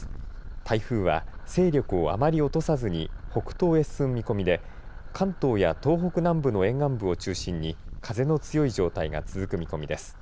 台風は勢力をあまり落とさずに北東へ進む見込みで関東や東北南部の沿岸部を中心に風の強い状態が続く見込みです。